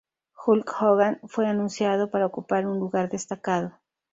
Hulk Hogan fue anunciado para ocupar un lugar destacado.